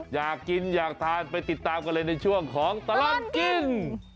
อยากกินอยากทานไปติดตามกันเลยในช่วงของตลอดกิน